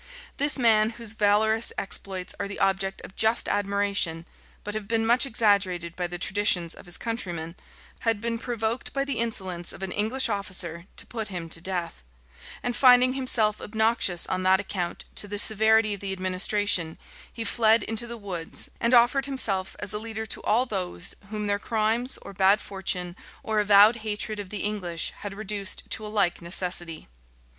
This man, whose valorous exploits are the object of just admiration, but have been much exaggerated by the traditions of his countrymen, had been provoked by the insolence of an English officer to put him to death; and finding himself obnoxious on that account to the severity of the administration, he fled into the woods, and offered himself as a leader to all those whom their crimes, or bad fortune, or avowed hatred of the English, had reduced to a like necessity.